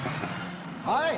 はい！